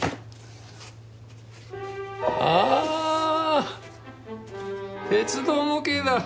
あ鉄道模型だ。